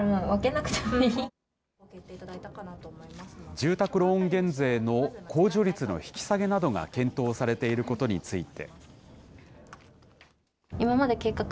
住宅ローン減税の控除率の引き下げなどが検討されていることについて。